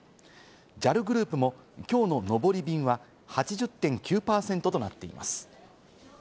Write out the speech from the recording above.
ＪＡＬグループもきょうの上り便は８０．９％となっています。